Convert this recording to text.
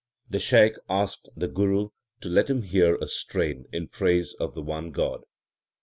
1 The Shaikh asked the Guru to let him hear a strain in praise of the one God.